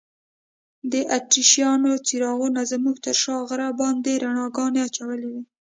د اتریشیانو څراغونو زموږ تر شا غر باندې رڼاګانې اچولي وې.